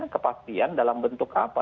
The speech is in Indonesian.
kepastian dalam bentuk apa